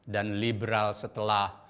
dan liberal setelah